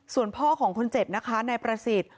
ส่วนพ่อของคนเจ็บนะคะนายประสิทธิ์